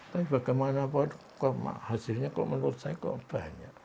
tapi bagaimana kalau hasilnya kalau menurut saya kok banyak